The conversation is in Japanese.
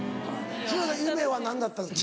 島津さん夢は何だったんですか？